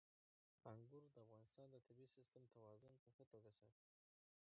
انګور د افغانستان د طبعي سیسټم توازن په ښه توګه ساتي.